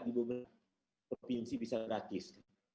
di beberapa provinsi bisa gratis